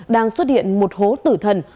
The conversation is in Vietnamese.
đang xuất hiện một hố tử thần